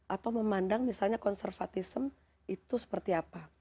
atau memandang misalnya konservatism itu seperti apa